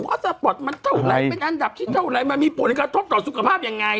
เพราะสปอร์ตมันเท่าไหร่เป็นอันดับที่เท่าไรมันมีผลกระทบต่อสุขภาพยังไง